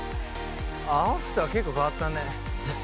アフター結構変わったね。